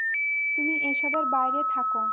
তুমি এসবের বাইরে থাকো।